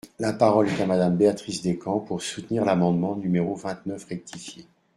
La parole est à Madame Béatrice Descamps, pour soutenir l’amendement numéro vingt-neuf rectifié.